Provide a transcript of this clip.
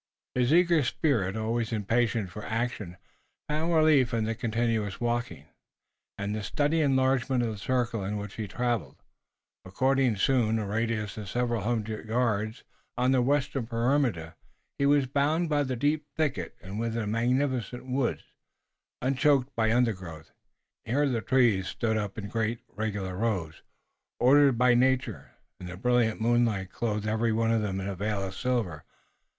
His eager spirit, always impatient for action, found relief in the continuous walking, and the steady enlargement of the circle in which he traveled, acquiring soon a radius of several hundred yards. On the western perimeter he was beyond the deep thicket, and within a magnificent wood, unchoked by undergrowth. Here the trees stood up in great, regular rows, ordered by nature, and the brilliant moonlight clothed every one of them in a veil of silver.